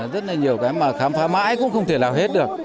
rất là nhiều cái mà khám phá mãi cũng không thể nào hết được